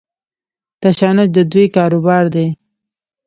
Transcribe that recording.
تشنج د دوی کاروبار دی.